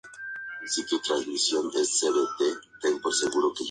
Edward Norton es el encargado de darle vida a Aaron en la película.